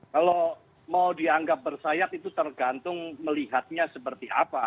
kalau mau dianggap bersayap itu tergantung melihatnya seperti apa